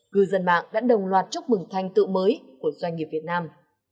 cư dân mạng đã đồng loạt chúc mừng thành tựu mới của doanh nghiệp việt nam